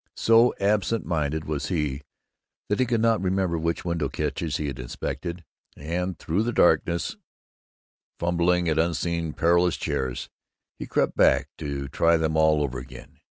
So absent minded was he that he could not remember which window catches he had inspected, and through the darkness, fumbling at unseen perilous chairs, he crept back to try them all over again.